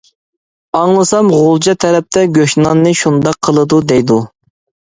ئاڭلىسام غۇلجا تەرەپتە گۆشناننى شۇنداق قىلىدۇ دەيدۇ.